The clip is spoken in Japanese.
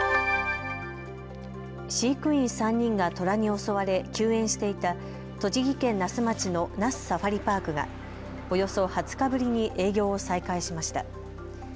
飼育員３人がトラに襲われ休園していた栃木県那須町の那須サファリパークがおよそ２０日ぶりに営業を再開しました。